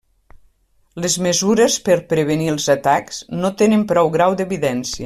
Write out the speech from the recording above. Les mesures per prevenir els atacs no tenen prou grau d'evidència.